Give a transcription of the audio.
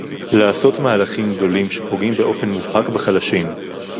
לעשות מהלכים גדולים שפוגעים באופן מובהק בחלשים